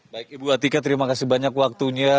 baik ibu atika terima kasih banyak waktunya